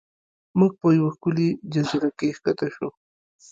موږ په یوه ښکلې جزیره کې ښکته شو.